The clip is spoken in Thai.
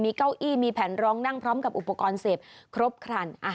เก้าอี้มีแผนร้องนั่งพร้อมกับอุปกรณ์เสพครบครัน